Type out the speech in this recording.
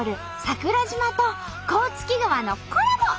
桜島と甲突川のコラボ！